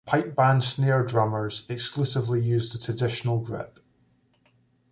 Pipe Band snare drummers exclusively use the traditional grip.